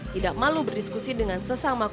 tidak malu berdiskusi dengan sesama